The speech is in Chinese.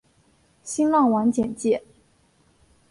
新浪网简介